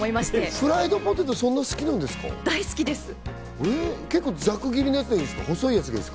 フライドポテトが大好きなんです！